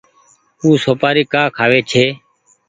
او سوپآري ڪآ کآوي ڇي۔